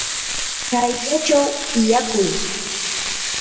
chayllachaw tiyakuy.